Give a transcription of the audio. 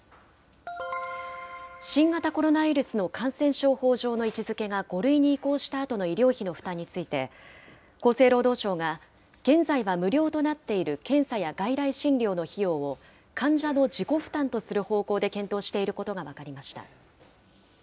新型コロナウイルスの感染症法上の位置づけが５類に移行したあとの医療費の負担について、厚生労働省が、現在は無料となっている検査や外来診療の費用を、患者の自己負担とする方向で検討していることが分かりました。